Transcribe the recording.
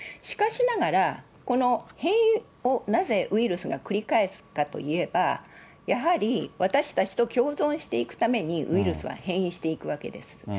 しかしながら、この変異をなぜウイルスが繰り返すかといえば、やはり私たちと共存していくために、ウイルスは変異していくわけです。